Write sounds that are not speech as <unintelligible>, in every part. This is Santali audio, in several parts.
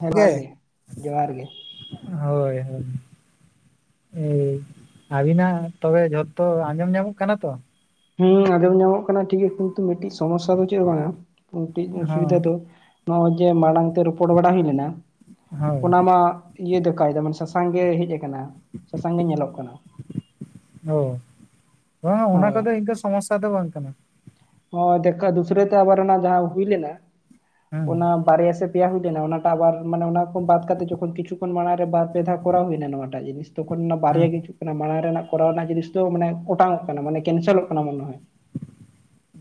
ᱡᱚᱦᱟᱨ ᱜᱮ ᱡᱚᱦᱟᱨ ᱜᱮ ᱦᱳᱭ ᱦᱳᱭ ᱮ ᱟᱹᱵᱤᱱᱟᱜ ᱛᱚᱵᱮ ᱡᱷᱚᱛᱚ ᱟᱸᱡᱚᱢ ᱧᱟᱢᱚᱜ ᱠᱟᱱᱟ ᱛᱚ ᱦᱮᱸ ᱟᱸᱡᱚᱢ ᱧᱟᱢᱚᱜ ᱠᱟᱱᱟ ᱴᱷᱤᱠ ᱜᱮᱭᱟ ᱠᱤᱱᱛᱩ ᱢᱤᱫᱴᱤᱡ ᱥᱚᱢᱚᱥᱥᱟ ᱫᱚ ᱪᱮᱫ ᱵᱟᱝ ᱟ ᱢᱤᱫᱴᱤᱡ ᱦᱚᱸ ᱚᱥᱩᱵᱤᱫᱷᱟ ᱫᱚ ᱱᱚᱜᱼᱚᱭ ᱡᱮ ᱢᱟᱲᱟᱝ ᱛᱮ ᱨᱚᱯᱚᱲ ᱵᱟᱲᱟ ᱦᱩᱭ ᱞᱮᱱᱟ ᱦᱳᱭ ᱚᱱᱟ ᱢᱟ ᱤᱭᱟᱹ ᱫᱟᱠᱟᱭᱮᱫᱟ ᱢᱟᱱᱮ ᱥᱟᱥᱟᱝ ᱜᱮ ᱦᱮᱡ ᱟᱠᱟᱱᱟ ᱥᱟᱥᱟᱝ ᱜᱮ ᱧᱮᱞᱚᱜ ᱠᱟᱱᱟ ᱚ ᱦᱮᱸ, ᱚᱱᱟ ᱦᱳᱭ ᱠᱚᱫᱚ ᱤᱧ ᱫᱚ ᱥᱚᱢᱚᱥᱥᱟ ᱫᱚ ᱵᱟᱝ ᱠᱟᱱᱟ ᱦᱮᱸ ᱫᱮᱠᱷᱟ ᱫᱩᱥᱨᱟᱟᱹ ᱛᱮ ᱟᱵᱟᱨ ᱚᱱᱟ ᱡᱟᱦᱟᱸ ᱦᱩᱭ ᱞᱮᱱᱟ ᱦᱮᱸ ᱚᱱᱟ ᱵᱟᱨᱭᱟ ᱥᱮ ᱯᱮᱭᱟ ᱦᱩᱭ ᱞᱮᱱᱟ ᱚᱱᱟᱴᱟᱜ ᱟᱵ ᱢᱟᱱᱮ ᱚᱱᱟ ᱠᱷᱚᱱ ᱵᱟᱫ ᱠᱟᱛᱮ ᱡᱚᱠᱷᱚᱱ ᱠᱤᱪᱷᱩ ᱠᱷᱚᱱ ᱢᱟᱲᱟᱝ ᱨᱮ ᱵᱟᱨ ᱯᱮ ᱫᱷᱟ ᱠᱚᱨᱟᱣ ᱦᱩᱭᱱᱟ ᱱᱚᱣᱟᱴᱟᱜ ᱡᱤᱱᱤᱥ ᱛᱚᱠᱷᱚᱱ ᱚᱱᱟ ᱦᱮᱸ ᱵᱟᱨᱭᱟ ᱜᱮ ᱦᱤᱡᱩᱜ ᱠᱟᱱᱟ ᱢᱟᱲᱟᱝ ᱨᱮᱱᱟᱜ ᱠᱚᱨᱟᱣ ᱨᱮᱱᱟᱜ ᱡᱤᱱᱤᱥ ᱫᱚ ᱢᱟᱱᱮ ᱚᱴᱟᱝᱚᱜ ᱠᱟᱱᱟ ᱢᱟᱱᱮ ᱠᱮᱱᱥᱮᱞᱚᱜ ᱠᱟᱱᱟ ᱢᱚᱱᱮ ᱦᱚᱭ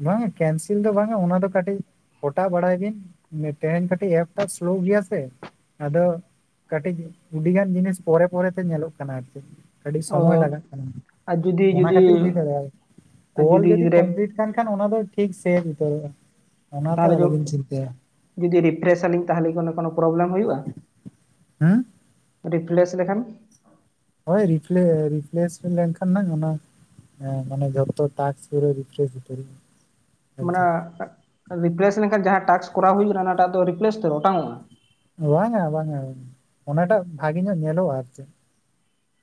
ᱵᱟᱝᱟ ᱠᱮᱱᱥᱮᱞ ᱫᱚ ᱵᱟᱝᱟ ᱚᱱᱟ ᱫᱚ ᱠᱟᱹᱴᱤᱡ ᱚᱴᱟ ᱵᱟᱲᱟᱭ ᱵᱤᱱ ᱛᱮᱦᱮᱧ ᱠᱟᱹᱴᱤᱡ ᱮᱯᱴᱟ ᱥᱞᱳ ᱜᱮᱭᱟ ᱥᱮ ᱟᱫᱚ ᱠᱟᱹᱴᱤᱡ ᱟᱹᱰᱤᱜᱟᱱ ᱡᱤᱱᱤᱥ ᱯᱚᱨᱮ ᱯᱚᱨᱮᱛᱮ ᱧᱮᱞᱚᱜ ᱠᱟᱱᱟ ᱟᱨ ᱪᱮᱫ ᱠᱟᱹ ᱚ ᱥᱚᱢᱚᱭ ᱞᱟᱜᱟᱜ ᱠᱟᱱᱟ ᱟᱨ ᱡᱩᱫᱤ ᱚᱱᱟ ᱡᱩᱫᱤ ᱠᱷᱟᱹᱛᱤᱨ ᱦᱩᱭ ᱫᱟᱲᱮᱭᱟᱜᱼᱟ ᱟᱨ ᱠᱚᱞ ᱡᱩᱫᱤ ᱨᱮ ᱠᱚᱢᱯᱞᱤᱴ ᱠᱷᱟᱱ ᱚᱱᱟ ᱫᱚ ᱴᱷᱤᱠ ᱥᱮ ᱩᱛᱟᱹᱨᱚᱜᱼᱟ ᱚᱱᱟ ᱫᱚ ᱛᱟᱦᱚᱞᱮ ᱡᱚ ᱟᱞᱚᱵᱤᱱ ᱪᱤᱱᱛᱟᱹᱭᱟ ᱡᱩᱫᱤ ᱨᱤᱯᱷᱨᱮᱥ ᱟᱹᱞᱤᱧ ᱛᱟᱦᱚᱞᱮ ᱜᱮᱚᱱ ᱠᱳᱱᱳ ᱯᱨᱚᱵᱞᱮᱢ ᱦᱩᱭᱩᱜᱼᱟ ᱦᱮᱸ ᱨᱤᱯᱞᱤᱥ ᱞᱮᱠᱷᱟᱱ ᱦᱳᱭ ᱨᱤᱯᱞᱮ ᱨᱤᱯᱞᱮᱥ ᱞᱮᱱᱠᱷᱟᱱ ᱱᱟᱝ ᱚᱱᱟ ᱦᱮᱸ ᱢᱟᱱᱮ ᱡᱚᱛᱚ ᱴᱟᱥᱠ‌ᱯᱩᱨᱟ. ᱨᱤᱯᱷᱨᱮᱥ ᱩᱛᱟ. ᱨᱚᱜ ᱢᱟᱱᱮ ᱨᱤᱯᱞᱮᱥ ᱞᱮᱱᱠᱷᱟᱱ ᱡᱟᱦᱟᱸ ᱴᱟᱥ ᱠᱚᱨᱟᱣ ᱦᱩᱭᱩᱜ ᱠᱟᱱᱟ ᱚᱱᱟ ᱴᱟᱜ ᱫᱚ ᱨᱤᱯᱞᱮᱥ ᱛᱮ ᱚᱴᱟᱝ ᱚᱜᱼᱟ ᱵᱟᱝᱼᱟ ᱵᱟᱝᱼᱟ ᱚᱱᱟᱴᱟᱜ ᱵᱷᱟᱜᱮ ᱧᱚᱜ ᱧᱮᱞᱚᱜᱼᱟ ᱟᱨ ᱪᱮᱫ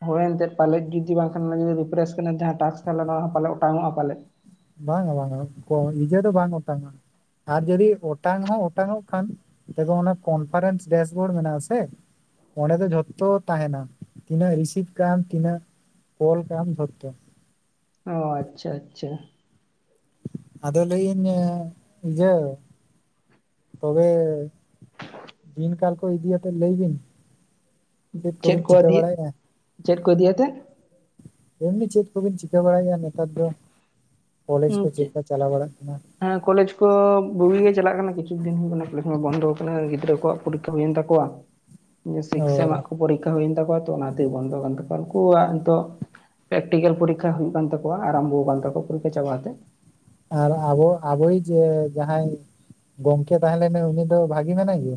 ᱦᱳᱭ ᱮᱱᱛᱮ ᱯᱟᱞᱮᱫ ᱡᱩᱫᱤ ᱵᱟᱝᱠᱷᱟᱱ ᱨᱤᱯᱷᱨᱮᱥ ᱡᱟᱦᱟᱸ ᱴᱟ ᱛᱟᱦᱮ ᱚᱱᱟᱯᱟᱞ ᱚᱴᱟᱝᱢᱚᱜ ᱦᱚᱸ ᱯᱟᱞᱮᱫ ᱵᱟᱝᱟ ᱵᱟᱝᱟ ᱠᱚ ᱤᱡᱟᱹ ᱫᱚ ᱵᱟᱝ ᱚᱴᱟᱝᱼᱟ ᱟᱨ ᱡᱩᱫᱤ ᱚᱴᱟᱝ ᱦᱚᱸ ᱚᱴᱟᱝᱼᱚᱜ ᱠᱷᱟᱱ ᱮᱵᱚᱝ ᱚᱱᱟ ᱠᱚᱱᱯᱷᱟᱨᱮᱱᱥ ᱰᱮᱥᱵᱳᱨᱰ ᱢᱮᱱᱟᱜ ᱟᱥᱮ ᱚᱸᱰᱮ ᱫᱚ ᱡᱷᱚᱛᱚ ᱛᱟᱦᱮᱱᱟ ᱛᱤᱱᱟᱹᱜ ᱨᱤᱥᱤᱵ ᱠᱟᱱ ᱛᱤᱱᱟᱹᱜ ᱠᱚᱞ ᱠᱟᱜ ᱟ ᱡᱷᱚᱛᱚ ᱚ ᱟᱪᱪᱷᱟ ᱟᱪᱪᱷᱟ ᱟᱫᱚ ᱞᱟᱹᱭᱟᱹᱧ ᱡᱮ ᱛᱚᱵᱮ ᱫᱤᱱ ᱠᱟᱞ ᱠᱚ ᱤᱫᱤᱭᱟᱛᱮᱫ ᱞᱟᱹᱭ ᱵᱤᱱ ᱪᱮᱫ ᱠᱚᱵᱤᱱ ᱠᱚ ᱪᱤᱠᱟᱹ ᱤᱫᱤᱭ ᱵᱟᱲᱟᱭᱮᱫᱼᱟ ᱪᱮᱫ ᱠᱚ ᱤᱫᱤᱭᱟᱛᱮ ᱮᱢᱱᱤ ᱪᱮᱫ ᱠᱚᱵᱤᱱ ᱪᱤᱠᱟᱹ ᱵᱟᱲᱟᱭᱟ ᱱᱮᱛᱟᱨ ᱫᱚ ᱠᱚᱞᱮᱡᱽ ᱠᱚ ᱪᱮᱫ ᱞᱮᱠᱟ ᱪᱟᱞᱟᱣ ᱵᱟᱲᱟᱜ ᱠᱟᱱᱟ ᱦᱮᱸ ᱠᱚᱞᱮᱡᱽ ᱠᱚ ᱵᱩᱜᱤ ᱜᱮ ᱪᱟᱞᱟᱜ ᱠᱟᱱᱟ ᱠᱤᱪᱷᱩ ᱫᱤᱱ ᱦᱩᱭᱩᱜ ᱠᱟᱱᱟ ᱠᱚᱞᱮᱡᱽ ᱢᱟ ᱵᱚᱱᱫᱚ ᱟᱠᱟᱱᱟ ᱜᱤᱫᱽᱨᱟᱹ ᱠᱚᱣᱟᱜ ᱯᱚᱨᱤᱠᱠᱷᱟ ᱦᱩᱭᱮᱱ ᱛᱟᱠᱚᱣᱟ <inaudible> ᱥᱤᱠᱥ ᱥᱮ ᱮᱢᱟᱜ ᱠᱚ ᱯᱚᱨᱤᱠᱠᱷᱟ ᱦᱩᱭᱮᱱ ᱛᱟᱠᱚᱣᱟ ᱛᱚ ᱚᱱᱟᱛᱮᱜᱮ ᱵᱚᱱᱫᱚ ᱠᱟᱱ ᱛᱟᱠᱚᱣᱟ ᱩᱱᱠᱩᱣᱟᱜ ᱱᱤᱛᱚᱜ ᱯᱮᱠᱴᱤᱠᱮᱞ ᱯᱚᱨᱤᱠᱠᱷᱟ ᱦᱩᱭᱩᱜ ᱠᱟᱱ ᱛᱟᱠᱚᱣᱟ ᱟᱨᱟᱢᱵᱷᱚ ᱠᱟᱱ ᱛᱟᱣᱟ ᱯᱚᱨᱤᱠᱠᱷᱟ ᱪᱟᱵᱟ ᱠᱟ ᱠᱟᱛᱮᱜ ᱟᱨ ᱟᱵᱚ ᱟᱵᱚᱭᱤᱡ ᱡᱮ ᱡᱟᱦᱟᱸᱭ ᱜᱚᱝᱠᱮ ᱛᱟᱦᱮᱸ ᱞᱮᱱᱟ ᱩᱱᱤ ᱫᱚ ᱵᱷᱟᱜᱤ ᱢᱮᱱᱟᱭ ᱜᱮ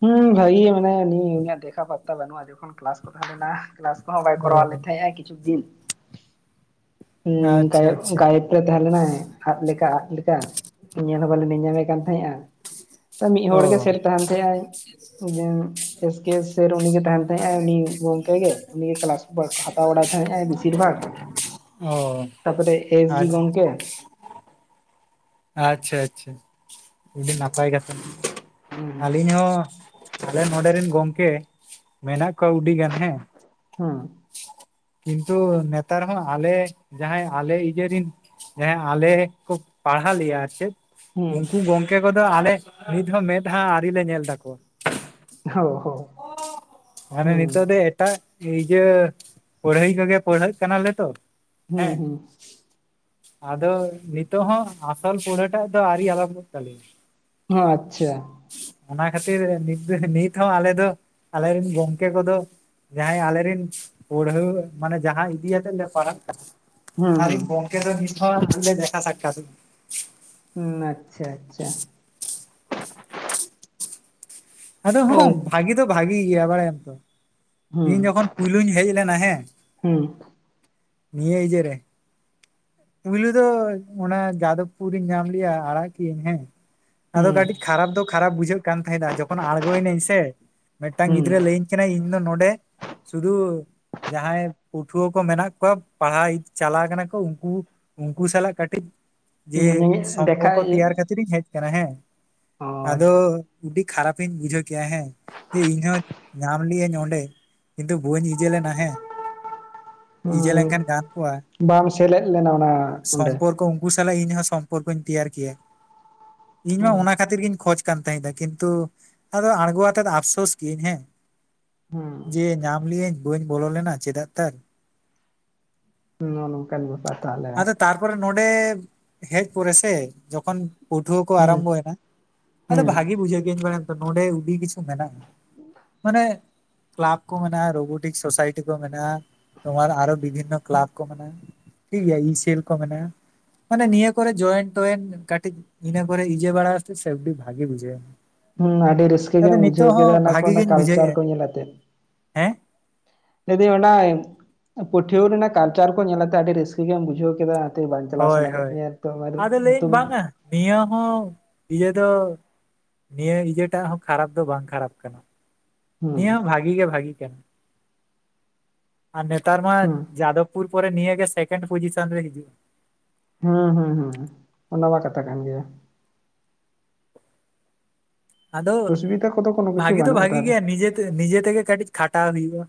ᱦᱩᱸ ᱵᱷᱟᱹᱜᱤᱮ ᱢᱟᱱᱮ ᱱᱤᱭᱟᱹ ᱩᱱᱤᱭᱟᱜ ᱫᱮᱷᱟ ᱯᱟᱨᱛᱟ ᱵᱟᱹᱱᱩᱜᱼᱟ ᱡᱚᱠᱷᱚᱱ ᱠᱞᱟᱥ ᱠᱚ ᱛᱟᱦᱮ ᱞᱮᱱᱟ ᱵᱟᱭ ᱚ ᱠᱚᱨᱟᱣᱟ ᱞᱮ ᱛᱟᱦᱮᱸᱼᱟ ᱠᱤᱪᱷᱩ ᱫᱤᱱ ᱦᱩᱸ ᱟᱪᱪᱷᱟ ᱟᱪᱪᱷᱟ <inaudible> ᱛᱟᱦᱮᱸ ᱞᱮᱱᱟᱭ ᱟᱫ ᱞᱮᱠᱟ ᱟᱫ ᱞᱮᱠᱟ ᱧᱮᱞ ᱦᱚᱸ ᱵᱟᱞᱮ ᱧᱮᱧᱟᱢᱮ ᱠᱟᱱ ᱛᱟᱦᱮᱸᱼᱟ ᱢᱤᱫ ᱚ ᱦᱚᱲᱚᱲ ᱜᱮ ᱥᱮᱨ ᱛᱟᱦᱮᱱ ᱛᱟᱦᱮᱸ ᱟᱭ ᱡᱮ ᱮᱥᱠᱮ ᱥᱮᱨ ᱩᱱᱤ ᱛᱟᱦᱮ ᱛᱟᱦᱮᱸᱜ ᱩᱱᱤ ᱜᱚᱢᱠᱮ ᱜᱮ ᱩᱱᱤ ᱠᱮᱞᱟᱥ ᱦᱟᱛᱟᱣ ᱵᱟᱲᱟᱭ ᱛᱟᱦᱮᱸᱜ ᱵᱮᱥᱤᱨ ᱵᱷᱟᱜᱽ ᱚ ᱛᱟᱯᱚᱨᱮ ᱮᱥ ᱡᱤ ᱟᱪᱪᱷᱟ ᱜᱚᱝᱠᱮ ᱟᱪᱪᱷᱟ ᱟᱪᱪᱷᱟ ᱟᱹᱰᱤ ᱱᱟᱯᱟᱭ ᱠᱟᱛᱷᱟ ᱦᱩᱸ ᱟᱹᱞᱤᱧ ᱦᱚᱸ ᱛᱟᱦᱞᱮ ᱱᱚᱰᱮ ᱨᱮᱱ ᱜᱚᱝᱠᱮ ᱢᱮᱱᱟᱜ ᱠᱚᱣᱟ ᱩᱰᱤ ᱜᱟᱱ ᱦᱮᱸ ᱦᱮᱸ ᱠᱤᱱᱛᱩ ᱱᱮᱛᱟᱨ ᱦᱚᱸ ᱟᱞᱮ ᱡᱟᱦᱟᱸᱭ ᱟᱞᱮ ᱤᱭᱟᱹ ᱨᱤᱱ ᱦᱮᱸ ᱟᱞᱮ ᱠᱷᱩᱵᱽ ᱯᱟᱲᱦᱟᱣ ᱞᱮᱭᱟ ᱟᱨ ᱪᱮᱫ ᱩᱱᱠᱩ ᱜᱚᱝᱠᱮ ᱠᱚᱫᱚ ᱟᱞᱮ ᱱᱤᱛ ᱦᱚᱸ ᱢᱮᱫᱦᱟ ᱟᱹᱨᱤ ᱞᱮ ᱧᱮᱞ ᱛᱟᱠᱚᱣᱟ ᱚ ᱦᱳ ᱢᱟᱱᱮ ᱱᱤᱛᱚᱜ ᱫᱚ ᱮᱴᱟᱜ ᱤᱭᱟᱹ ᱯᱟᱲᱦᱟᱹᱭ ᱠᱚᱜᱮ ᱯᱟᱹᱲᱦᱟᱹᱜ ᱠᱟᱱᱟᱞᱮ ᱛᱚ ᱦᱩᱸ ᱦᱮᱸ ᱦᱩᱸ ᱟᱫᱚ ᱱᱤᱛᱚᱜ ᱦᱚᱸ ᱟᱥᱚᱞ ᱯᱩᱲᱟᱹ ᱴᱟᱜ ᱫᱚ ᱟᱹᱣᱨᱤ ᱟᱨᱟᱢᱵᱚᱜ ᱛᱟᱞᱮᱭᱟ ᱦᱚ ᱟᱪᱪᱷᱟ ᱚᱱᱟ ᱠᱷᱟᱹᱛᱤᱨᱤ ᱱᱤᱛ ᱦᱚᱸ ᱟᱞᱮ ᱫᱚ ᱟᱞᱮ ᱨᱮᱱ ᱜᱚᱝᱠᱮ ᱠᱚᱫᱚ ᱡᱟᱦᱟᱸᱭ ᱟᱞᱮᱨᱮᱱ ᱯᱟᱹᱲᱦᱟᱹ ᱢᱟᱱᱮ ᱡᱟᱦᱟᱸ ᱤᱫᱤᱛᱮᱜ ᱞᱮ ᱯᱟᱲᱦᱟᱜ ᱠᱟᱱᱟ ᱟᱨ ᱤᱧ ᱜᱚᱢᱠᱮ ᱛᱚ ᱱᱤᱛᱤᱛᱣᱟ ᱦᱟᱱᱮ ᱫᱟ ᱥᱟᱠᱟ <inaudible> ᱦᱩᱸ ᱟᱪᱪᱷᱟ ᱟᱪᱪᱷᱟ᱾ ᱱᱚᱰᱮ <unintelligible> ᱵᱷᱟᱜᱤ ᱫᱚ ᱵᱷᱟᱜᱤ ᱜᱮᱭᱟ ᱵᱟᱲᱟᱭᱟᱢ ᱛᱚ᱾ ᱤᱧ ᱡᱚᱠᱷᱚᱱ ᱯᱩᱭᱞᱩᱧ ᱦᱮᱡ ᱞᱮᱱᱟ ᱦᱮᱸ ᱱᱤᱭᱟᱹ ᱤᱭᱟᱹ ᱨᱮ ᱯᱩᱭᱞᱩ ᱫᱚ ᱚᱱᱟ ᱡᱟᱫᱚᱵᱽᱯᱩᱨᱤᱧ ᱧᱟᱢ ᱞᱮᱭᱟ ᱟᱲᱟᱜ ᱠᱤᱭᱟᱹᱧ ᱦᱮᱸ ᱟᱫᱚ ᱠᱟᱹᱴᱤᱡ ᱠᱷᱟᱨᱟᱯ ᱫᱚ ᱠᱷᱟᱨᱟᱯ ᱵᱩᱡᱷᱟᱹᱜ ᱠᱟᱱ ᱛᱟᱦᱮᱸᱫᱱᱟ ᱡᱚᱠᱷᱚᱱ ᱟᱬᱜᱚᱭᱱᱟᱹᱧ ᱥᱮ ᱢᱤᱫᱴᱟᱝ ᱜᱤᱫᱽᱨᱟᱹ ᱞᱟᱹᱭᱟᱹᱧ ᱠᱮᱱᱟᱭ ᱤᱧᱫᱚ ᱱᱚᱰᱮ ᱥᱩᱫᱩ ᱡᱟᱦᱟᱸᱭ ᱯᱟᱹᱴᱷᱩᱣᱟᱹ ᱠᱚ ᱢᱮᱱᱟᱜ ᱠᱚᱣᱟ ᱯᱟᱲᱦᱟᱣ ᱪᱟᱞᱟᱣ ᱠᱟᱱᱟ ᱠᱚ ᱩᱱᱠᱩ ᱩᱱᱠᱩ ᱥᱟᱞᱟᱜ ᱠᱟᱹᱴᱤᱡ ᱡᱮ ᱥᱚᱢᱯᱚᱨᱠᱚ ᱛᱮᱭᱟᱨ ᱠᱷᱟᱹᱛᱤᱨ ᱤᱧ ᱦᱮᱡ ᱠᱟᱱᱟ ᱦᱮᱸ ᱟᱫᱚ ᱟᱹᱰᱤ ᱠᱷᱟᱨᱟᱯ ᱛᱤᱧ ᱵᱩᱡᱷᱟᱹᱣ ᱠᱮᱜ-ᱟ ᱦᱮᱸ ᱡᱮ ᱤᱧ ᱦᱚᱸ ᱧᱟᱢ ᱞᱮᱜ-ᱟᱹᱧ ᱚᱸᱰᱮ ᱠᱤᱱᱛᱩ ᱵᱳᱟᱹᱧ ᱤᱡᱮᱞ ᱞᱮᱱᱟ ᱦᱮᱸ ᱤᱡᱟᱹ ᱞᱮᱱᱠᱷᱟᱱ ᱜᱟᱱ ᱠᱚᱜᱼᱟ ᱵᱟᱝ ᱥᱮᱞᱮᱫ ᱞᱮᱱᱟ ᱚᱱᱟ, ᱚᱸᱰᱮ ᱥᱚᱢᱯᱚᱨᱠᱚ ᱩᱱᱠᱩ ᱥᱟᱞᱟᱜ ᱤᱧᱦᱚᱸ ᱥᱚᱢᱯᱚᱨᱠᱚᱧ ᱛᱮᱭᱟᱨ ᱠᱮᱭᱟ ᱾ ᱤᱧ ᱢᱟ ᱚᱱᱟ ᱠᱷᱟᱹᱛᱤᱨ ᱜᱤᱧ ᱠᱷᱚᱡᱽ ᱠᱟᱱ ᱛᱟᱸᱦᱮᱫᱤᱧ ᱠᱤᱱᱛᱩ ᱟᱫᱚ ᱟᱬᱜᱚ ᱟᱛᱮᱫ ᱟᱯᱥᱳᱥ ᱠᱮᱜᱭᱟᱹᱧ ᱦᱮᱸ᱾ ᱦᱮᱸ ᱡᱮ ᱧᱟᱢ ᱞᱮᱭᱟ. ᱧ ᱵᱟᱹᱧ ᱵᱚᱞᱚ ᱞᱮᱱᱟ ᱪᱮᱫᱟᱜ ᱛᱟᱨ ᱾ ᱱᱚᱜ ᱱᱚᱝᱠᱟᱱ ᱵᱮᱯᱟᱨ᱾ ᱛᱟᱦᱚᱞᱮ ᱟᱫᱚ ᱛᱟᱨᱯᱚᱨᱮ ᱱᱚᱸᱰᱮ ᱦᱮᱡ ᱯᱚᱨᱮ ᱥᱮ ᱡᱚᱠᱷᱚᱱ ᱯᱟᱹᱴᱷᱩᱣᱟᱹ ᱠᱚ ᱦᱮᱸ ᱟᱨᱟᱢᱵᱷᱚ ᱭᱮᱱᱟ ᱟᱫᱚ ᱦᱮᱸ ᱵᱷᱟᱜᱮ ᱵᱩᱡᱷᱟᱹᱜ ᱠᱮᱜᱭᱟᱹᱧ ᱵᱟᱲᱟᱭᱟᱢ ᱛᱚ ᱱᱚᱰᱮ ᱩᱰᱤ ᱠᱤᱪᱷᱩ ᱢᱮᱱᱟᱜᱼᱟ ᱾ ᱢᱟᱱᱮ ᱠᱞᱟᱵ ᱠᱚ ᱢᱮᱱᱟᱜᱼᱟ ᱨᱳᱵᱳᱴᱤᱠ ᱥᱳᱥᱟᱭᱴᱤ ᱠᱚ ᱢᱮᱱᱟᱜᱼᱟ᱾ ᱛᱳᱢᱟᱨ ᱟᱨᱚ ᱵᱤᱵᱷᱤᱱᱱᱚ ᱠᱞᱟᱵ ᱠᱚ ᱢᱮᱱᱟᱜᱼᱟ᱾ ᱴᱷᱤᱠ ᱜᱮᱭᱟ ᱤ ᱥᱮᱞ ᱠᱚ ᱢᱮᱱᱟᱜᱼᱟ᱾ ᱢᱟᱱᱮ ᱱᱤᱭᱟᱹ ᱠᱚᱨᱮ ᱡᱚᱭᱮᱱ ᱴᱚᱭᱮᱱ ᱠᱟᱹᱴᱤᱡ ᱤᱱᱟᱹ ᱯᱚᱨᱮ ᱤᱡᱮ ᱵᱟᱲᱟ ᱟᱛᱮᱫ ᱥᱮ ᱟ. ᱰᱤ ᱵᱷᱟᱜᱤ ᱵᱩᱡᱷᱟ. ᱜ-ᱟ ᱾ ᱦᱮᱸ ᱟᱹᱰᱤ ᱨᱟᱹᱥᱠᱟᱹ ᱜᱮᱢ ᱵᱩᱡᱷᱟᱹᱣ ᱠᱮᱫᱟ ᱚᱱᱟ ᱠᱚ ᱵᱷᱟᱜᱤ ᱚᱱᱟ ᱜᱤᱧ ᱠᱟᱞᱪᱟᱨ ᱵᱩᱡᱷᱟᱹᱣᱮᱫᱼᱟ ᱠᱚ ᱧᱮᱞ ᱟᱛᱮ᱾ ᱦᱮᱸ ᱞᱟᱹᱭ ᱫᱤᱧ ᱚᱱᱟ ᱯᱟᱹᱴᱷᱩᱭᱟᱹ ᱨᱮᱱᱟᱜ ᱠᱟᱞᱪᱟᱨ ᱠᱚ ᱧᱮᱞ ᱟᱛᱮ ᱟᱹᱰᱤ ᱨᱟᱹᱥᱠᱟᱹ ᱜᱮᱢ ᱵᱩᱡᱷᱟᱹᱣ ᱠᱮᱫᱟ ᱾ ᱛᱚᱵᱮ ᱵᱟᱝ ᱪᱟᱞᱟᱣ ᱦᱳᱭ ᱥᱟᱱᱟ ᱞᱮᱫ ᱦᱳᱭ ᱢᱮᱭᱟ ᱟᱨ ᱟᱫᱚ ᱞᱟᱹᱭᱟᱹᱧ ᱱᱤᱛᱚᱝ, ᱵᱟᱝᱟ ᱱᱤᱭᱟᱹ ᱦᱚᱸ ᱤᱭᱟᱹ ᱫᱚ ᱱᱤᱭᱟᱹ ᱤᱭᱟᱹ ᱴᱟᱜ ᱦᱚᱸ ᱠᱷᱟᱨᱟᱯ ᱫᱚ ᱵᱟᱝ ᱠᱷᱟᱨᱟᱯ ᱠᱟᱱᱟ, ᱱᱤᱭᱟᱹ ᱦᱚᱸ ᱦᱩᱸ ᱵᱷᱟᱜᱤ ᱜᱮ ᱵᱷᱟᱜᱤ ᱠᱟᱱᱟ᱾ ᱟᱨ ᱱᱮᱛᱟᱨ ᱢᱟ ᱦᱩᱸ ᱡᱟᱫᱚᱵᱽᱯᱩᱨ ᱯᱚᱨᱮ ᱱᱤᱭᱟᱹ ᱜᱮ ᱥᱮᱠᱮᱱᱰ ᱯᱚᱡᱤᱥᱚᱱ ᱨᱮ ᱦᱤᱡᱩᱜᱼᱟ᱾ ᱦᱩᱸ ᱦᱩᱸ ᱦᱩᱸ ᱚᱱᱟ ᱢᱟ ᱠᱟᱛᱷᱟ ᱠᱟᱱ ᱜᱮᱭᱟ᱾ ᱟᱫᱚ ᱚᱥᱩᱵᱤᱫᱟ ᱠᱚᱫᱚ ᱠᱳᱱᱳ ᱠᱤᱪᱷᱩ ᱵᱷᱟᱜᱤ ᱫᱚ ᱵᱟᱹᱱᱩᱜᱼᱟ ᱵᱷᱟᱜᱤ ᱛᱟᱦᱚᱞᱮ ᱜᱮᱭᱟ ᱱᱤᱡᱮᱛᱮ ᱱᱤᱡᱮ ᱛᱮᱜᱮ ᱠᱟᱹᱴᱤᱡ ᱠᱷᱟᱴᱟᱣ ᱦᱩᱭᱩᱜᱼᱟ᱾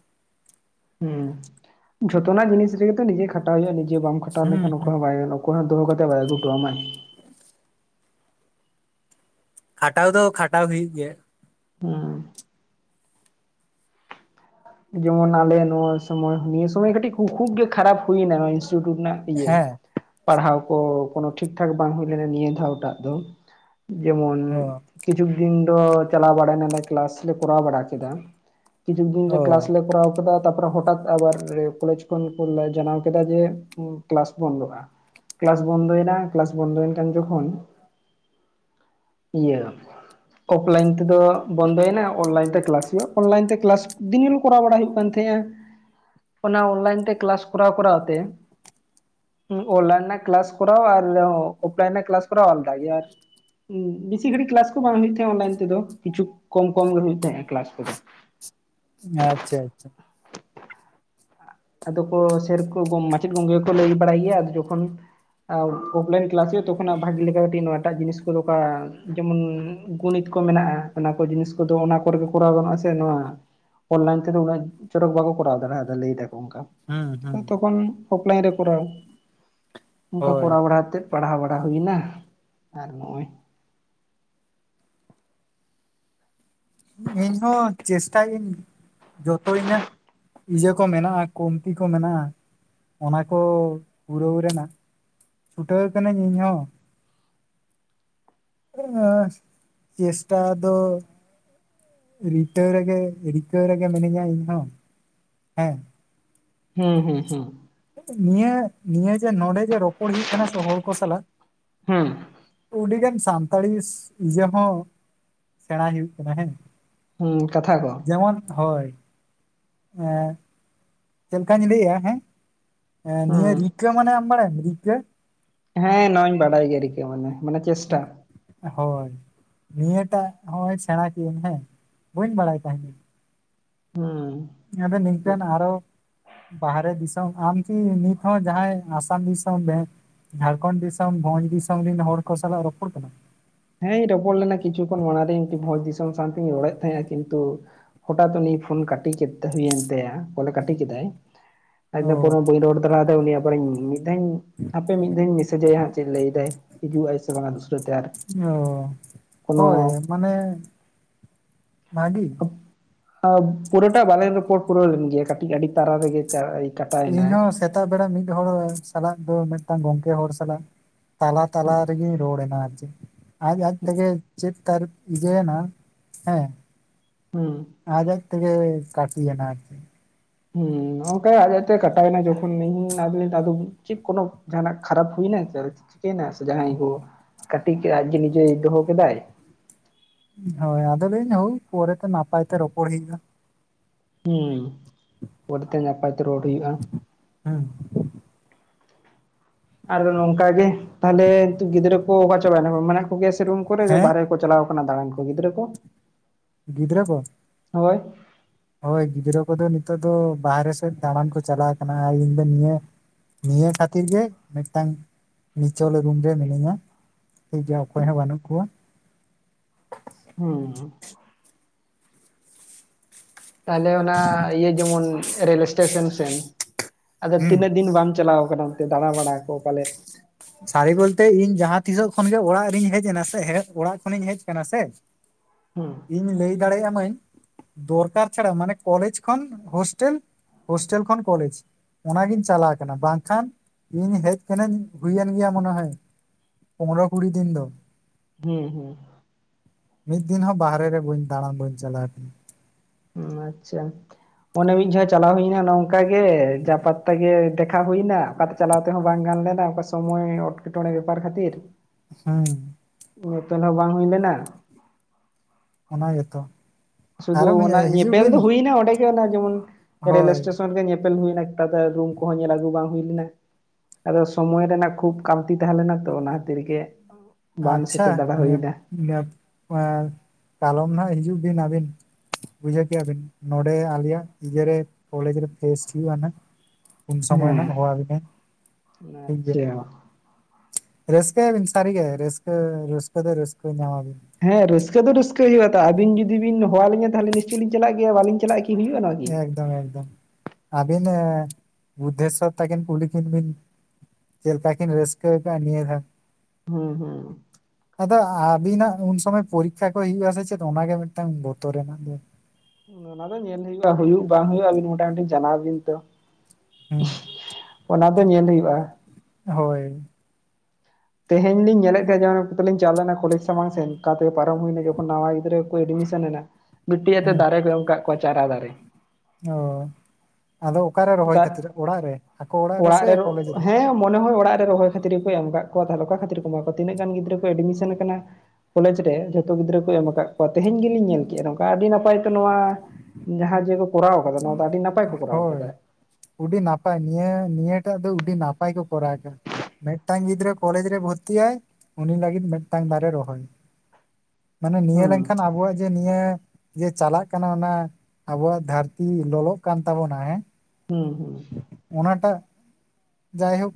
ᱦᱩᱸ ᱡᱷᱚᱛᱚᱱᱟᱜ ᱡᱤᱱᱤᱥ ᱨᱮᱜᱮᱛᱚ ᱱᱤᱡᱮ ᱠᱷᱟᱴᱟᱣ ᱦᱩᱭᱩᱜᱼᱟ, ᱱᱤᱡᱮ ᱵᱟᱢ ᱠᱷᱟᱴᱟᱣ ᱦᱩᱸ ᱞᱮᱠᱷᱟᱱ ᱚᱠᱚᱭ ᱦᱩᱸ ᱦᱚᱸ ᱵᱟᱭ ᱜᱟᱱᱚᱜᱼᱟ ᱾ <unintelligible> ᱵᱟᱲᱟᱭ ᱜᱮ <unintelligible> ᱠᱷᱟᱴᱟᱣ ᱫᱚ ᱠᱷᱟᱴᱟᱣ ᱦᱩᱭᱩᱜ ᱜᱮᱭᱟ ᱾ ᱦᱩᱸ ᱡᱮᱢᱚᱱ ᱟᱞᱮ ᱱᱚᱣᱟ ᱥᱚᱢᱚᱭ ᱱᱤᱭᱟᱹ ᱥᱚᱢᱚᱭ ᱠᱟᱹᱴᱤᱡ ᱠᱷᱩ-ᱠᱷᱩᱵ ᱜᱮ ᱠᱷᱟᱨᱟᱯ ᱦᱩᱭᱱᱟ ᱱᱚᱣᱟ ᱤᱱᱥᱴᱤᱴᱤᱭᱩᱴ ᱨᱮᱱᱟᱜ ᱾ ᱤᱭᱟᱹ ᱦᱮᱸ ᱯᱟᱲᱦᱟᱣ ᱠᱚ ᱠᱳᱱᱳ ᱴᱷᱤᱠ ᱴᱷᱟᱠ ᱵᱟᱝ ᱦᱩᱭ ᱞᱮᱱᱟ ᱱᱤᱭᱟᱹ ᱫᱷᱟᱣ ᱴᱟᱜ ᱫᱚ ᱾ ᱡᱮᱢᱚᱱ ᱚ ᱠᱤᱪᱷᱩ ᱫᱤᱱ ᱫᱚ ᱪᱟᱞᱟᱣ ᱵᱟᱲᱟᱭ ᱱᱟᱞᱮ ᱠᱞᱟᱥ ᱞᱮ ᱠᱚᱨᱟᱣ ᱵᱟᱲᱟ ᱠᱮᱫᱟ ᱠᱤᱪᱷᱩ ᱫᱤᱱ ᱾ ᱚ ᱠᱞᱟᱥ ᱞᱮ ᱠᱚᱨᱟᱣ ᱠᱟᱫᱟ ᱾ ᱛᱟᱨ ᱯᱚᱨᱮ ᱦᱚᱴᱟᱛ ᱟᱵᱟᱨ ᱠᱚᱞᱮᱡᱽ ᱠᱷᱚᱱ ᱠᱚ ᱡᱟᱱᱟᱣ ᱠᱮᱫᱟ ᱡᱮ ᱠᱞᱟᱥ ᱵᱚᱱᱫᱚᱜᱼᱟ ᱾ ᱠᱞᱟᱥ ᱵᱚᱱᱫᱚ ᱭᱮᱱᱟ ᱠᱞᱟᱥ ᱵᱚᱱᱫᱚᱭᱮᱱ ᱠᱷᱟᱱ ᱡᱚᱠᱷᱚᱱ ᱾ ᱤᱭᱟᱹ ᱚᱯᱷᱞᱟᱭᱤᱱ ᱛᱮᱫᱚ ᱵᱚᱱᱫᱚᱭᱮᱱᱟ ᱚᱱᱞᱟᱭᱤᱱ ᱛᱮ ᱠᱞᱟᱥ ᱦᱩᱭᱩᱜᱼᱟ ᱚᱱᱞᱟᱭᱤᱱ ᱛᱮ ᱠᱞᱟᱥ ᱫᱤᱱ ᱠᱚᱨᱟᱣ ᱵᱟᱲᱟ ᱦᱩᱭᱩᱜ ᱠᱟᱱ ᱛᱟᱦᱮᱸᱱᱟ, ᱚᱱᱟ ᱚᱱᱞᱟᱭᱤᱱ ᱛᱮ ᱠᱞᱟᱥ ᱠᱚᱨᱟᱣ ᱠᱚᱨᱟᱣ ᱛᱮ᱾ ᱚᱱᱞᱟᱭᱤᱱ ᱨᱮᱱᱟᱜ ᱠᱞᱟᱥ ᱠᱚᱨᱟᱣ ᱟᱨ ᱚᱯᱷᱞᱟᱭᱤᱱ ᱨᱮᱱᱟᱜ ᱠᱞᱟᱥ ᱠᱚᱨᱟᱣ ᱟᱞᱫᱟ ᱜᱮᱭᱟ ᱟᱨ ᱵᱤᱥᱤ ᱜᱷᱟᱲᱤ ᱠᱞᱟᱥ ᱠᱚ ᱵᱟᱝ ᱦᱩᱭᱩᱜ ᱛᱟᱦᱮᱸᱜ ᱚᱱᱞᱟᱭᱤᱱ ᱛᱮᱫ ᱠᱤᱪᱷᱩ ᱠᱚᱢ ᱠᱚᱢ ᱜᱮ ᱦᱩᱭᱩᱜ ᱛᱟᱦᱮᱸᱜ ᱠᱞᱟᱥ ᱠᱚᱫᱚ ᱾ ᱟᱪᱪᱷᱟ ᱟᱪᱪᱷᱟ ᱟᱫᱚ ᱠᱚ ᱥᱮᱨ ᱠᱚ ᱢᱟᱪᱮᱫ ᱜᱚᱢᱠᱮ ᱠᱚ ᱠᱚ ᱞᱟᱹᱭ ᱵᱟᱲᱟᱭ ᱜᱮᱭᱟ ᱟᱫᱚ ᱡᱚᱠᱷᱚᱱ ᱚᱯᱷᱞᱟᱭᱤᱱ ᱠᱞᱟᱥ ᱦᱩᱭᱩᱜ-ᱟ ᱛᱚᱠᱷᱚᱱ ᱵᱷᱟᱜᱤ ᱞᱮᱠᱟ ᱠᱟᱹᱴᱤᱡ ᱱᱚᱣᱟ ᱴᱟᱜ ᱡᱤᱱᱤᱥ ᱠᱚ ᱫᱚᱠᱚ ᱡᱮᱢᱚᱱ ᱜᱩᱱᱤᱛ ᱠᱚ ᱢᱮᱱᱟᱜᱼᱟ ᱚᱱᱟ ᱠᱚ ᱡᱤᱱᱤᱥ ᱠᱚᱫᱚ ᱚᱱᱟ ᱠᱚᱨᱮ ᱜᱮ ᱠᱚᱨᱟᱣ ᱜᱟᱱᱚᱜᱼᱟ ᱥᱮ ᱱᱚᱣᱟ᱾ ᱚᱱᱞᱟᱭᱤᱱ ᱛᱮ ᱫᱚ ᱩᱱᱟ. ᱜ ᱪᱚᱨᱚᱠ ᱵᱟᱠᱚ ᱠᱚᱟᱣᱫᱟ ᱞᱟᱹᱭ ᱫᱟᱠᱚ ᱚᱱᱠᱟ ᱦᱩᱸ ᱦᱩᱸ ᱛᱚᱠᱷᱚᱱ ᱚᱯᱷᱞᱟᱭᱤᱱ ᱨᱮ ᱠᱚᱨᱟᱣ ᱚᱱᱠᱟ ᱦᱳᱭ ᱠᱚᱨᱟᱣ ᱵᱟᱲᱟ ᱟᱛᱮᱫ ᱯᱟᱲᱦᱟᱣ ᱵᱟᱲᱟ ᱦᱩᱭᱱᱟ ᱟᱨ ᱱᱚᱜᱼᱚᱭ᱾ ᱤᱧᱦᱚᱸ ᱪᱮᱥᱴᱟᱭᱟᱹᱧ ᱡᱚᱛᱚ ᱤᱧᱟᱹᱜ ᱤᱭᱟᱹ ᱠᱚ ᱢᱮᱱᱟᱜᱼᱟ, ᱠᱳᱢᱛᱤ ᱠᱚ ᱢᱮᱱᱟᱜᱼᱟ᱾ ᱚᱱᱟ ᱠᱚ ᱯᱩᱨᱟᱹᱣ ᱨᱮᱱᱟᱜ ᱪᱷᱩᱴᱟᱹᱣ ᱠᱟᱹᱱᱟᱹᱧ ᱤᱧᱦᱚᱸ ᱾ ᱦᱮᱸ ᱪᱮᱥᱴᱟ ᱫᱚ ᱨᱤᱠᱟᱹ ᱨᱮᱜᱮ ᱨᱤᱠᱟᱹ ᱨᱮᱜᱮ ᱢᱤᱱᱟᱹᱧᱟ ᱤᱧ ᱦᱚᱸ ᱦᱮᱸ᱾ ᱦᱩᱸ ᱦᱩᱸ ᱦᱩᱸ ᱱᱤᱭᱟᱹ ᱱᱤᱭᱟᱹ ᱡᱮ ᱱᱚᱸᱰᱮ ᱡᱮ ᱨᱚᱯᱚᱲ ᱦᱩᱭᱩᱜ ᱠᱟᱱᱟ ᱥᱮ ᱦᱚᱲ ᱠᱚ ᱥᱟᱞᱟᱜ ᱦᱩᱸ ᱟᱹᱰᱤᱜᱟᱱ ᱥᱟᱱᱛᱟᱲᱤ ᱤᱭᱟᱹ ᱦᱚᱸ ᱥᱮᱬᱟᱭ ᱦᱩᱭᱩᱜ ᱠᱟᱱᱟ ᱦᱮᱸ ᱦᱩᱸ ᱠᱟᱛᱷᱟ ᱠᱚ ᱡᱟᱦᱟᱱ ᱦᱚᱭ ᱮ ᱪᱮᱫ ᱞᱮᱠᱟᱧ ᱞᱟᱹᱭᱮᱜᱼᱟ ᱦᱮᱸ ᱦᱩᱸ ᱱᱤᱭᱟᱹᱜᱤ ᱨᱤᱠᱟᱹ ᱢᱟᱱᱮ ᱟᱢ ᱵᱟᱲᱟᱭᱟᱢ ᱨᱤᱠᱟᱹ ᱦᱮᱸ ᱱᱚᱣᱟᱧ ᱵᱟᱰᱟᱭ ᱜᱮᱭᱟ ᱠᱤᱠᱟᱹ ᱢᱟᱱᱮ ᱢᱟᱱᱮ ᱪᱮᱥᱴᱟ ᱦᱳᱭ ᱱᱤᱭᱟᱹᱴᱟᱜ ᱦᱚᱸᱜᱚᱭ ᱥᱮᱬᱟ ᱠᱮᱜᱤᱭᱟᱹᱟᱹᱧ ᱦᱮᱸ ᱵᱟᱹᱧ ᱵᱟᱲᱟᱭ ᱛᱟᱦᱮᱸᱱᱟ ᱦᱩᱸ ᱟᱫᱚ ᱱᱤᱝᱠᱟᱹᱱ ᱪᱮᱫ ᱟᱨᱚ ᱵᱟᱦᱨᱮ ᱫᱤᱥᱚᱢ ᱟᱢᱠᱤ ᱱᱤᱛᱦᱚᱸ ᱡᱟᱦᱟᱸᱭ ᱟᱥᱟᱢ ᱫᱤᱥᱚᱢ ᱵᱮ ᱡᱷᱟᱲᱠᱷᱚᱱ ᱫᱤᱥᱚᱢ ᱵᱷᱚᱸᱡᱽ ᱫᱤᱥᱚᱢ ᱨᱮᱱ ᱦᱚᱲ ᱠᱚ ᱥᱟᱞᱟᱜ ᱨᱚᱯᱚᱲ ᱠᱟᱱᱟᱢ ᱦᱮᱸ ᱤᱧ ᱨᱚᱯᱚᱲ ᱞᱮᱱᱟ ᱠᱤᱪᱷᱩ ᱠᱷᱚᱱ ᱢᱟᱲᱟᱝ ᱨᱮ ᱵᱷᱚᱸᱡᱽ ᱫᱤᱥᱚᱢ ᱥᱟᱶᱛᱤᱧ ᱨᱚᱲᱮᱫ ᱛᱟᱸᱦᱮᱱᱟ ᱠᱤᱱᱛᱩ ᱦᱚᱴᱟᱛ ᱩᱱᱤᱭ ᱯᱷᱳᱱ ᱠᱟᱹᱴᱤ ᱠᱮᱫ ᱦᱩᱭᱮᱱ ᱛᱟᱭᱟ ᱠᱚᱞᱮ ᱠᱟᱹᱴᱤ ᱠᱮᱫᱟᱭ ᱚ ᱤᱱᱟᱹ ᱯᱚᱨᱮ ᱵᱟᱧ ᱨᱚᱲ ᱫᱟᱲᱮᱭᱟᱫᱟ <unintelligible> ᱛᱟᱨᱯᱚᱨᱮ ᱢᱤᱫ ᱫᱷᱟᱣ ᱤᱧ ᱦᱟᱯᱮ ᱢᱤᱫ ᱫᱷᱟᱣ ᱤᱧ ᱢᱮᱥᱮᱡᱟᱭ ᱦᱟᱸᱜ ᱪᱮᱫ ᱞᱟᱹᱭ ᱮᱫᱟᱭ ᱦᱤᱡᱩᱜ ᱟᱭ ᱥᱮ ᱵᱟᱝᱟ ᱫᱚᱩᱥᱨᱟᱟᱹ ᱛᱮ ᱟᱨ ᱚ ᱠᱳᱱᱳ ᱦᱳᱭ ᱢᱟᱱᱮ ᱵᱷᱟᱜᱤ ᱟᱸᱻ ᱯᱩᱨᱟᱹᱴᱟ ᱵᱟᱞᱤᱧ ᱨᱚᱯᱚᱨ ᱯᱩᱨᱟᱹᱣ ᱞᱮᱱ ᱜᱮᱭᱟ ᱠᱟᱹᱴᱤᱡ ᱟᱹᱰᱤ ᱛᱟᱨᱟ ᱨᱮᱜᱮ ᱪᱟ ᱤᱧᱦᱚᱸ ᱥᱮᱛᱟᱜ ᱵᱮᱲᱟ ᱢᱤᱫ ᱦᱚᱲ ᱥᱟᱞᱟᱜ ᱫᱚ ᱢᱤᱫᱴᱟᱝ ᱜᱚᱝᱠᱮ ᱦᱚᱲ ᱥᱟᱞᱟᱜ ᱛᱟᱞᱟ ᱛᱟᱞᱟ ᱨᱮᱜᱮᱧ ᱨᱚᱲᱱᱟ ᱟᱨ ᱪᱮᱫ ᱟᱡ ᱟᱡ ᱛᱮᱜᱮ ᱪᱮᱫ ᱛᱟᱨ <unintelligible> ᱮᱱᱟ ᱦᱮᱸ ᱦᱩᱸ ᱟᱡ ᱟᱡ ᱛᱮᱜᱮ ᱠᱟᱴᱤ ᱮᱱᱟ ᱟᱛᱮ ᱦᱩᱸ ᱱᱚᱝᱠᱟ ᱟᱡ ᱟᱡᱛᱮ ᱠᱟᱴᱟᱣᱮᱱᱟ ᱡᱚᱠᱷᱚᱱ ᱱᱤᱧ <unintelligible> ᱟᱫᱚ ᱪᱮᱫ ᱠᱚᱱᱚ ᱡᱟᱸᱦᱱᱟᱜ ᱠᱷᱟᱨᱟᱯ ᱦᱩᱭᱮᱱᱟ ᱥᱮ ᱥᱮ ᱡᱟᱦᱟᱸᱭ ᱠᱚ ᱠᱟᱹᱴᱤ ᱠᱮᱫᱟ ᱟᱡ ᱜᱮ ᱱᱤᱡᱮ ᱫᱚᱦᱚ ᱠᱮᱫᱟᱭ ᱦᱳᱭ ᱟᱫᱚ ᱞᱤᱧ ᱞᱟᱹᱭᱫᱟ ᱦᱳᱭ ᱯᱚᱨᱮᱛᱮ ᱱᱟᱯᱟᱭ ᱛᱮ ᱨᱚᱯᱚᱲ ᱦᱩᱭᱩᱜᱼᱟ ᱦᱩᱸ ᱚᱰᱮᱛᱮ ᱱᱟᱯᱟᱭ ᱛᱮ ᱨᱚᱲ ᱦᱩᱭᱩᱜᱼᱟ ᱦᱩᱸ ᱟᱨ ᱫᱚ ᱱᱚᱝᱠᱟ ᱜᱮ ᱛᱟᱦᱚᱞᱮ ᱜᱤᱫᱽᱨᱟᱹ ᱠᱚ ᱚᱠᱟ ᱪᱟᱵᱟᱭᱱᱟ ᱠᱚᱜᱭᱟ ᱥᱮ ᱨᱩᱢ ᱠᱚᱨᱮ ᱦᱮᱸ ᱵᱟᱨᱮ ᱠᱚ ᱪᱟᱞᱟᱣ ᱠᱟᱱᱟ ᱫᱟᱬᱟᱱ ᱠᱚ ᱜᱤᱫᱽᱨᱟᱹ ᱠᱚ ᱜᱤᱫᱽᱨᱟᱹ ᱠᱚ ᱦᱳᱭ ᱦᱳᱭ ᱜᱤᱫᱽᱨᱟᱹ ᱠᱚᱫᱚ ᱱᱤᱛᱚᱜ ᱫᱚ ᱵᱟᱦᱨᱮ ᱥᱮᱫ ᱫᱟᱬᱟᱱ ᱠᱚ ᱪᱟᱞᱟᱣ ᱠᱟᱱᱟ ᱤᱧ ᱫᱚ ᱱᱤᱭᱟᱹ ᱱᱤᱭᱟᱹ ᱠᱷᱟᱹᱛᱤᱨ ᱜᱮ ᱢᱤᱫᱴᱟᱝ ᱱᱤᱪᱚᱞ ᱨᱩᱢ ᱨᱮ ᱢᱤᱱᱟᱹᱧᱟ ᱴᱷᱤᱠᱜᱮᱭᱟ ᱚᱠᱚᱭ ᱦᱚᱸ ᱵᱟᱹᱱᱩᱜ ᱠᱚᱣᱟ ᱦᱩᱸ ᱛᱟᱦᱞᱮ ᱚᱱᱟ ᱤᱭᱟᱹ ᱡᱮᱢᱚᱱ ᱨᱮᱹᱞ ᱮᱴᱮᱥᱚᱱ ᱥᱮᱱ ᱟᱫᱚ ᱦᱩᱸ ᱛᱤᱱᱟᱹᱜ ᱫᱤᱱ ᱵᱟᱢ ᱪᱟᱞᱟᱣ ᱟᱠᱟᱱᱟ ᱱᱚᱛᱮ ᱫᱟᱬᱟ ᱵᱟᱲᱟ ᱠᱚ ᱯᱟᱞᱮᱫ ᱥᱟᱹᱨᱤ ᱜᱚᱞᱛᱮ ᱤᱧ ᱡᱟᱦᱟᱸ ᱛᱤᱥᱚᱜ ᱠᱷᱚᱱᱜᱮ ᱚᱲᱟᱜ ᱨᱤᱧ ᱦᱮᱡ ᱮᱱᱟ ᱥᱮ ᱦᱮᱡ ᱚᱲᱟᱜ ᱠᱷᱚᱱᱤᱧ ᱦᱮᱡ ᱟᱠᱟᱱᱟ ᱥᱮ ᱻ ᱦᱩᱸ ᱤᱧ ᱞᱟᱹᱭ ᱫᱟᱲᱮᱭᱟᱜᱢᱟᱹᱧ ᱫᱚᱨᱠᱟᱨ ᱪᱷᱟᱲᱟ ᱢᱟᱱᱮ ᱠᱚᱞᱡᱽ ᱠᱷᱚᱱ ᱦᱳᱥᱴᱮᱞ ᱦᱳᱥᱴᱮᱞ ᱠᱷᱚᱱ ᱠᱚᱞᱮᱡᱽ ᱚᱱᱟᱜᱤᱧ ᱪᱟᱞᱟᱣ ᱟᱠᱟᱱᱟ ᱵᱟᱝᱠᱷᱟᱱ ᱤᱧ ᱦᱮᱡ ᱠᱟᱱᱟᱧ ᱩᱭ ᱟᱱ ᱜᱮᱭᱟ ᱢᱚᱱᱮ ᱦᱚ ᱯᱚᱱᱨᱚ ᱠᱩᱲᱤ ᱫᱤᱱ ᱫᱚ ᱦᱩᱸ ᱦᱩᱸ ᱢᱤᱫ ᱫᱤᱱ ᱦᱚᱸ ᱵᱟᱦᱨᱮ ᱨᱮ ᱵᱟᱹᱫᱬᱟᱱ ᱵᱟᱹᱧ ᱪᱟᱞᱟᱣ ᱟᱠᱟᱱᱟ ᱦᱩᱸ ᱟᱪᱪᱷᱟ ᱢᱚᱱᱮ ᱢᱤᱫ ᱡᱷᱟᱣ ᱪᱟᱞᱟᱣ ᱦᱩᱭᱮᱱᱟ ᱱᱚᱝᱠᱟ ᱜᱮ ᱡᱟᱯᱟ ᱛᱮᱜᱮ ᱫᱮᱠᱷᱟ ᱦᱩᱭᱱᱟ ᱚᱠᱟ ᱪᱟᱞᱟᱣ ᱛᱮᱦᱚᱸ ᱵᱟᱝ ᱜᱟᱱ ᱞᱮᱱᱟ ᱚᱠᱟ ᱥᱚᱢᱚᱭ ᱚᱴᱠᱮᱴᱚᱬᱮ ᱵᱮᱯᱟᱨ ᱠᱷᱟᱹᱛᱤᱨ ᱦᱮᱸ ᱱᱤᱛᱚᱱ ᱦᱚᱸ ᱵᱟᱝ ᱦᱩᱭ ᱞᱮᱱᱟ ᱚᱱᱟ ᱜᱮᱛᱚ ᱥᱩᱫᱩ ᱟᱨᱚ ᱚᱱᱟ ᱦᱤᱡᱩᱜ ᱧᱮᱯᱮᱞ ᱵᱤᱱ ᱫᱚ ᱦᱩᱭᱱᱟ ᱚᱸᱰᱮ ᱜᱮ ᱚᱱᱟ ᱡᱮᱢᱚᱱ ᱨᱮᱞ ᱦᱳᱭ ᱮᱥᱴᱮᱥᱚᱱ ᱨᱮ ᱧᱮ ᱯᱮᱞ ᱦᱩᱭᱱᱟ ᱮᱴᱟᱜᱟ ᱨᱩᱢ ᱠᱚᱦᱚᱸ ᱧᱮᱞ ᱟᱹᱜᱩ ᱵᱟᱝ ᱦᱩᱭ ᱞᱮᱱᱟ ᱟᱫᱚ ᱥᱚᱢᱚᱭ ᱨᱮᱱᱟᱜ ᱠᱷᱩᱵ ᱠᱟᱹᱞᱛᱤ ᱛᱟᱦᱮᱸ ᱞᱮᱱᱟ ᱛᱚ ᱚᱱᱟ ᱠᱷᱟᱹᱛᱤᱨ ᱜᱮ ᱵᱟᱝ ᱥᱮᱴᱮᱨ ᱫᱟᱲᱟ ᱦᱩᱭᱱᱟ ᱠᱟᱯᱟ ᱠᱟᱞᱚᱢ ᱱᱷᱟᱜ ᱦᱤᱡᱩᱜ ᱵᱤᱱ ᱟᱹᱵᱤᱱ ᱵᱩᱡᱷᱟᱹᱣ ᱠᱮᱭᱟ ᱵᱤᱱ ᱱᱚᱰᱮ ᱟᱞᱮᱭᱟᱜ ᱤᱭᱮᱨᱮ ᱠᱚᱞᱮᱡᱽ ᱨᱮ ᱯᱷᱮᱥᱴ ᱦᱩᱭᱩᱜ ᱟ ᱱᱷᱟᱜ ᱩᱱ ᱦᱮᱸ ᱥᱚᱢᱚᱭ ᱱᱷᱟᱜ ᱦᱚᱦᱚᱵᱤᱱᱟᱭ ᱴᱷᱤᱠ ᱜᱮᱭᱟ ᱟᱪᱪᱷᱟ ᱨᱟᱹᱥᱠᱟᱹᱭᱟᱵᱤᱱ ᱥᱟᱹᱨᱤᱜᱮ ᱨᱟᱹᱥᱠᱟᱹ ᱨᱟᱹᱥᱠᱟᱹ ᱫᱚ ᱨᱟᱹᱥᱠᱟᱹ ᱧᱟᱢᱟᱵᱤᱱ ᱦᱮᱸ ᱨᱟᱹᱥᱠᱟᱹ ᱫᱚ ᱨᱟᱹᱥᱠᱟᱹ ᱦᱩᱭᱩᱜ ᱟ ᱛᱟᱦ ᱟᱵᱤᱱ ᱡᱩᱫᱤ ᱵᱤᱱ ᱦᱚᱣᱟᱞᱤᱧᱟ ᱛᱟᱦᱞᱮ ᱱᱤᱥᱪᱚᱭ ᱞᱤᱧ ᱪᱟᱞᱟᱜ ᱜᱮᱭᱟ ᱵᱟᱞᱤᱧ ᱪᱟᱞᱟᱜ-ᱟ ᱠᱤ ᱠᱤ ᱦᱩᱭᱩᱜ-ᱟ ᱱᱚᱣᱟ ᱠᱤ ᱛᱚ ᱮᱠᱫᱚᱢ ᱟᱵᱤᱱ ᱵᱩᱫᱽᱫᱷᱮᱥᱥᱚᱨ ᱛᱟᱠᱤᱱ ᱠᱩᱞᱤ ᱠᱤᱱ ᱵᱤᱱ ᱪᱮᱫ ᱞᱮᱠᱟ ᱠᱤᱱ ᱨᱟᱹᱥᱠᱟᱹ ᱠᱟᱜᱼᱟ ᱱᱤᱭᱟᱹ ᱫᱷᱟᱣ ᱦᱩᱸ ᱦᱩᱸ ᱟᱫᱚ ᱟᱵᱤᱱᱟᱜ ᱩᱱ ᱥᱚᱢᱚᱭ ᱯᱚᱨᱤᱠᱷᱟ ᱠᱚ ᱦᱩᱭᱩᱜ ᱟ ᱥᱮ ᱪᱮᱫ ᱚᱱᱟᱜ ᱜᱮ ᱢᱤᱫᱴᱟᱝ ᱵᱚᱛᱚᱨ ᱨᱮᱱᱟᱜ ᱫᱚ ᱚᱱᱟ ᱫᱚ ᱧᱮᱞ ᱦᱩᱭᱩᱜᱼᱟ ᱦᱩᱭᱩᱜ ᱵᱟᱝ ᱦᱩᱭᱩᱜᱼᱟ ᱟᱹᱵᱤᱱ ᱢᱚᱴᱟᱢᱩᱴᱤ ᱡᱟᱱᱟᱣ ᱵᱤᱱ ᱛᱚ ᱦᱩᱸ ᱚᱱᱟ ᱫᱚ ᱧᱮᱞ ᱦᱩᱭᱩᱜᱼᱟ ᱦᱳᱭ ᱛᱮᱦᱮᱧ ᱞᱤᱧ ᱧᱮᱞᱮᱫ ᱛᱟᱦᱮᱸᱫ ᱡᱮ ᱚᱱᱟ ᱠᱷᱟᱛᱤᱨ ᱞᱤᱧ ᱪᱟᱞᱟᱣ ᱞᱮᱱᱟ ᱠᱚᱞᱮᱡ ᱥᱟᱢᱟᱝ ᱥᱮᱫ ᱠᱟᱛᱮ ᱯᱟᱨᱚᱢ ᱦᱩᱭᱱᱟ ᱡᱚᱠᱷᱚᱱ ᱱᱟᱣᱟ ᱜᱤᱫᱽᱨᱟᱹ ᱮᱰᱢᱤᱥᱚᱱ ᱮᱱᱟ ᱵᱤᱴᱤ ᱟᱛᱮ ᱦᱩᱸ ᱫᱟᱨᱮ ᱠᱚ ᱮᱢ ᱠᱟᱜ ᱠᱚᱣᱟ ᱪᱟᱨᱟ ᱫᱟᱨᱮ ᱚ ᱟᱫᱚ ᱚᱠᱟᱨᱮ ᱨᱚᱦᱚᱭ ᱫᱟᱜ ᱠᱷᱟᱛᱤᱨ ᱚᱲᱟᱜ ᱨᱮ ᱟᱠᱚ ᱚᱲᱟᱜ ᱨᱮᱥᱮ ᱠᱚᱞᱮᱡᱽ ᱨᱮ? ᱢᱚᱱᱮ ᱦᱚᱭ ᱚᱲᱟᱜ ᱨᱮ ᱨᱚᱦᱚᱭ ᱠᱷᱟᱹᱛᱤᱨ ᱜᱮ ᱠᱚ ᱮᱢ ᱠᱟᱜ ᱠᱚᱣᱟ ᱛᱟᱦᱚᱞᱮ ᱚᱠᱟ ᱠᱷᱟᱹᱛᱤᱨ ᱠᱚ ᱮᱢᱟ ᱠᱚᱣᱟ ᱛᱤᱱᱟᱹᱜ ᱜᱟᱱ ᱜᱤᱫᱽᱨᱟᱹ ᱠᱚ ᱮᱰᱢᱤᱥᱚᱱ ᱟᱠᱟᱱᱟᱹ ᱠᱚᱞᱮᱡᱽ ᱨᱮ ᱡᱷᱚᱛᱚ ᱜᱤᱫᱽᱨᱟᱹ ᱠᱚ ᱮᱢ ᱠᱟᱜ ᱠᱚᱣᱟ ᱛᱮᱦᱮᱧ ᱜᱮᱞᱤᱧ ᱧᱮᱞ ᱠᱮᱫᱼᱟ ᱝᱠᱟ ᱟᱹᱰᱤ ᱱᱟᱯᱟᱭ ᱛᱚ ᱱᱚᱣᱟ ᱡᱟᱦᱟᱸ ᱡᱮ ᱠᱚ ᱠᱚᱨᱟᱣ ᱠᱟᱫᱟ ᱱᱚᱣᱟ ᱫᱚ ᱟᱹᱰᱤ ᱱᱟᱯᱟᱭ ᱠᱚ ᱠᱚᱨᱟᱣ ᱠᱟᱫᱟ ᱩᱰᱤ ᱱᱟᱯᱟᱭ ᱱᱤᱭᱟᱹ ᱱᱤᱭᱟᱹᱴᱟᱜ ᱫᱚ ᱩᱰᱤ ᱱᱟᱯᱟᱭ ᱠᱚ ᱠᱚᱨᱟᱣᱫᱟ ᱢᱤᱫᱴᱟᱝ ᱜᱤᱫᱽᱨᱟᱹ ᱠᱚᱞᱮᱡᱽ ᱨᱮ ᱵᱷᱚᱨᱛᱤᱟᱭ ᱩᱱᱤ ᱞᱟᱹᱜᱤᱫ ᱢᱤᱫᱴᱟᱝ ᱫᱟᱨᱮ ᱨᱚᱦᱚᱭ ᱢᱟᱱᱮ ᱱᱤᱭᱟᱹ ᱦᱩᱸ ᱞᱮᱱᱠᱷᱟᱱ ᱟᱵᱚᱣᱟᱜ ᱡᱮ ᱱᱤᱭᱟᱹ ᱡᱮ ᱪᱟᱞᱟᱜ ᱠᱟᱱᱟ ᱚᱱᱟ ᱟᱵᱚᱣᱟᱜ ᱫᱷᱟᱹᱨ ᱛᱤ ᱞᱚᱞᱚᱜ ᱠᱟᱱ ᱛᱟᱵᱚᱱᱟ ᱦᱮᱸ? ᱦᱩᱸ ᱦᱩᱸ ᱚᱱᱟᱴᱟᱜ ᱡᱟᱭ ᱦᱳᱠ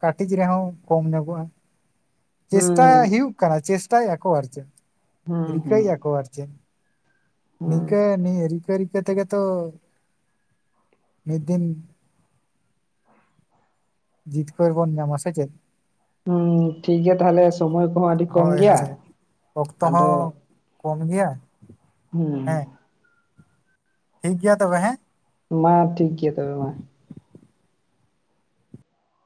ᱠᱟᱹᱴᱤᱡ ᱨᱮᱦᱚᱸ ᱠᱚᱢ ᱧᱚᱜᱚᱜᱼᱟ ᱪᱮᱥᱴᱟᱭ ᱦᱩᱸ ᱦᱩᱭᱩᱜ ᱠᱟᱱᱟ ᱪᱮᱥᱴᱟᱭᱮ ᱟᱠᱚ ᱟᱨ ᱪᱮᱫ ᱦᱩᱸ ᱦᱩᱸ ᱨᱤᱠᱟᱹᱭᱮᱜ ᱟᱠᱚ ᱟᱨ ᱪᱮᱫ ᱦᱩᱸ ᱱᱤᱝᱠᱟᱹ ᱱᱤ ᱨᱤᱠᱟᱹ ᱨᱤᱠᱟᱹ ᱛᱮᱜᱮ ᱛᱚ ᱢᱤᱫ ᱫᱤᱱ ᱡᱤᱛᱠᱟᱹᱨ ᱵᱚᱱ ᱧᱟᱢᱟ ᱥᱮ ᱪᱮᱫ? ᱦᱩᱸ ᱴᱷᱤᱠ ᱜᱮᱭᱟ ᱛᱟᱦᱞᱮ ᱥᱚᱢᱚᱭ ᱠᱚᱦᱚᱸ ᱟᱹᱰᱤ ᱠᱚᱢ ᱦᱳᱭ ᱜᱮᱭᱟ ᱦᱳᱭ ᱚᱠᱛᱚ ᱟᱫᱚ ᱦᱚᱸ ᱠᱚᱢ ᱜᱮᱭᱟ ᱦᱮᱸ ᱦᱩᱸ ᱴᱷᱤᱠ ᱜᱮᱭᱟ ᱛᱚᱵᱮ ᱦᱮᱸ ᱢᱟ ᱴᱷᱤᱠ ᱜᱮᱭᱟ ᱛᱚᱵᱮ ᱢᱟ